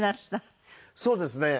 そうですね。